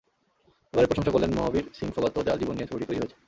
এবারে প্রশংসা করলেন মহাবীর সিং ফোগাতও, যার জীবন নিয়ে ছবিটি তৈরি হয়েছে।